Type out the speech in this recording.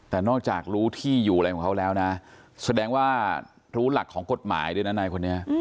แต่นอกจากรู้ที่อยู่อะไรของเขาแล้วนะแสดงว่ารู้หลักของกฎหมายด้วยนะนายคนนี้